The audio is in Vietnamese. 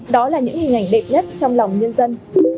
đó là những hình ảnh đẹp nhất trong lòng nhân dân